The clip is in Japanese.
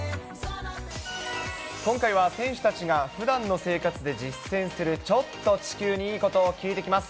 今回は選手たちがふだんの生活で実践するちょっと地球にいいことを聞いてきます。